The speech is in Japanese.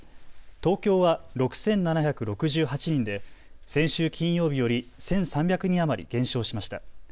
東京は６７６８人で先週金曜日より１３００人余り減少しました。